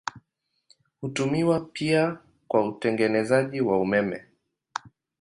Hutumiwa pia kwa utengenezaji wa umeme.